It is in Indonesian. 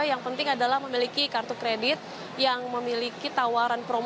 yang penting adalah memiliki kartu kredit yang memiliki tawaran promosi